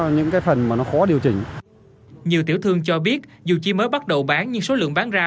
nhiều tiểu thương cho biết dù chỉ mới bắt đầu bán nhưng số lượng bán ra